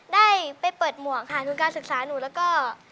ได้ไปเปิดหมวกค่ะทุนการศึกษาหนูแล้วก็